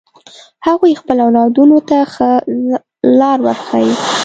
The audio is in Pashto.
هغوی خپل اولادونو ته ښه لار ورښایی